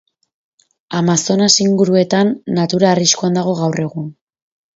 Amazonas inguruetan, natura arriskuan dago gaur egun.